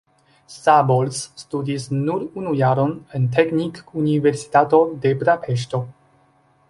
Szabolcs studis nur unu jaron en Teknikuniversitato de Budapeŝto.